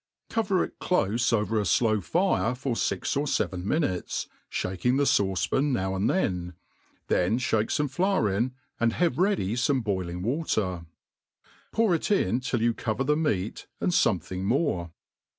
Cover it clofe over a flow nre for fix or feven mihutes, &aking the fauce pan now and then ; then ihake fome flour in, and have ready fome boiling water ; pour it in tin you cover the meat and (bmething more.